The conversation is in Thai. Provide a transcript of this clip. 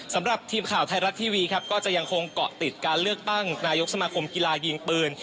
สำหรับทีมข่าวไทยรัฐทีวีครับก็จะยังคงเกาะติดการเลือกตั้งนายกสมาคมกีฬายิงปืน